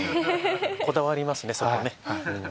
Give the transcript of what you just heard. こだわりますねそこね。